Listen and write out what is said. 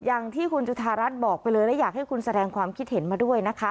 อย่างที่คุณจุธารัฐบอกไปเลยและอยากให้คุณแสดงความคิดเห็นมาด้วยนะคะ